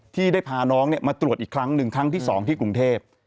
ที่ได้พาน้องมาตรวจอีกครั้งหนึ่งครั้งที่๒ที่กรุงเทพ